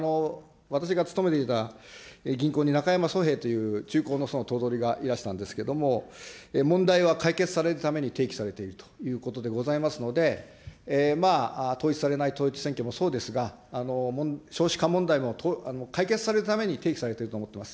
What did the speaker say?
私が勤めていた銀行になかやまそへいという中興の祖の頭取がいらしたんですけれども、問題は解決されるために提起されているということでございますので、統一されない統一選挙もそうですが、少子化問題も解決されるために提起されていると思っています。